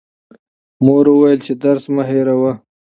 مور وویل چې درس مه هېروه.